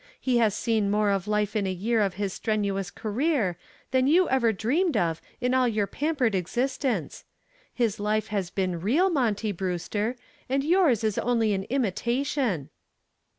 He has seen more of life in a year of his strenuous career than you ever dreamed of in all your pampered existence. His life has been real, Monty Brewster, and yours is only an imitation."